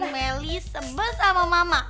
meli sebes sama mama